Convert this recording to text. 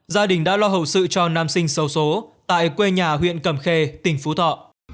gia đình đã lo hậu sự cho nam sinh sâu số tại quê nhà huyện cầm khê tỉnh phú thọ